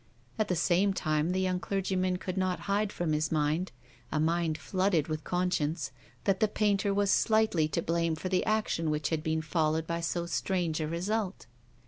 At the same time, the young clergyman could not hide from his mind — a mind flooded with conscience — that the painter was slightly to blame for the action which had been followed by so strange a result.